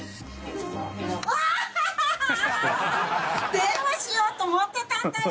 電話しようと思ってたんだよ。